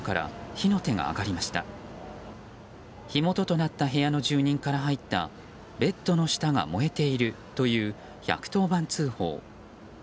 火元となった部屋の住人から入ったベッドの下が燃えているという１１０番通報。